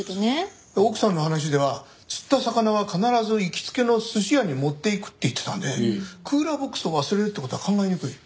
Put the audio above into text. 奥さんの話では釣った魚は必ず行きつけの寿司屋に持っていくって言ってたのでクーラーボックスを忘れるって事は考えにくい。